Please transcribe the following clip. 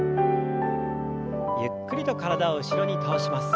ゆっくりと体を後ろに倒します。